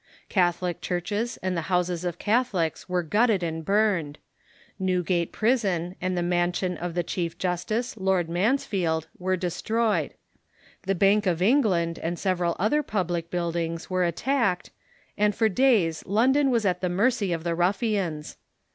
Catholic churches and the houses of Catholics were gutted and burned; Xewgate Prison and the mansion of the chief justice, Lord IManstield, Avere destroyed ; the Bank of England and several other public buildings were attacked, and for days London was at the mercy of the ruftians.